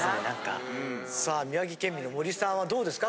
さあ宮城県民の森さんはどうですか？